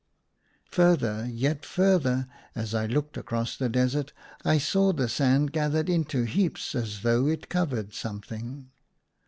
157 Further, yet further, as I looked across the desert, I saw the sand gathered into heaps as though it covered something.